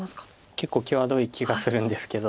結構際どい気がするんですけど。